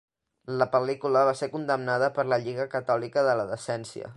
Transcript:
La pel·lícula va ser condemnada per la Lliga Catòlica de la Decència.